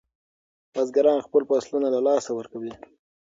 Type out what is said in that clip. بزګران خپل فصلونه له لاسه ورکوي.